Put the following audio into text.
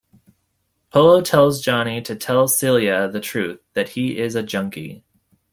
Polo tells Johnny to tell Celia the truth, that he is a junkie.